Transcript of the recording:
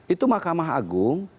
itu mahkamah agung